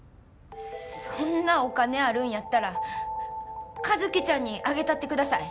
そんなお金あるんやったら和希ちゃんにあげたってください。